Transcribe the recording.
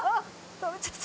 食べちゃった。